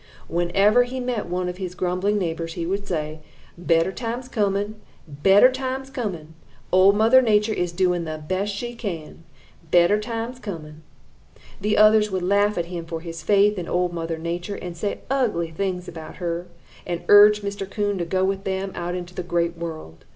Whenever he met one of his grumbling neighbors, he would say: "'Better times coming! Better times coming! Old Mother Nature is doing the best she can. Better times coming!' "The others would laugh at him for his faith in Old Mother Nature, and say ugly things about her, and urge Mr. Coon to go with them out into the Great World.